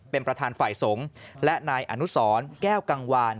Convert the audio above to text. เป็นประธานฝ่ายสงฆ์และนายอนุสรแก้วกังวาน